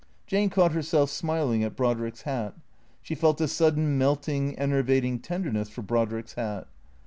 Jane caught herself smiling at Brodrick's hat. She felt a sudden melting, enervating tenderness for Brodrick's hat.